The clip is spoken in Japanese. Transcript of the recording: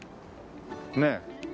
ねえ。